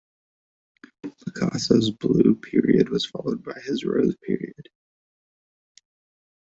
Picasso's Blue Period was followed by his Rose Period.